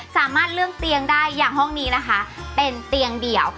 สามารถเลือกเตียงได้อย่างห้องนี้นะคะเป็นเตียงเดี่ยว